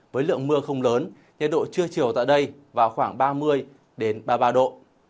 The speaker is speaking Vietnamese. với lượng mưa không lớn nhiệt độ trưa chiều tại đây vào khoảng ba mươi ba mươi ba độ